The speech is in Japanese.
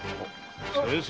先生！